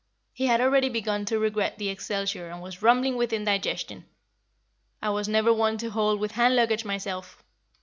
He had already begun to regret the excelsior and was rumbling with indigestion. "I was never one to hold with hand luggage, myself."